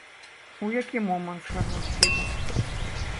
У які момант згарнуць фігу?